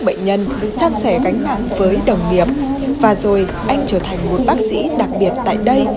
bệnh nhân san sẻ gánh nặng với đồng nghiệp và rồi anh trở thành một bác sĩ đặc biệt tại đây